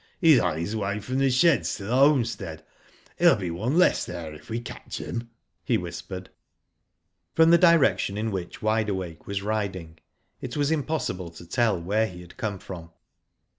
He's on his way from the sheds to the homestead. He'll be one less there, if we catch him," he whispered. From the direction in which Wide Awake was riding, it was impossible to tell where he had come from.